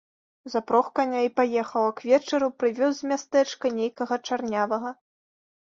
Запрог каня і паехаў, а к вечару прывёз з мястэчка нейкага чарнявага.